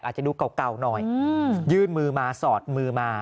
อาจจะดูเก่าหน่อยยื่นมือมาสอดมือมา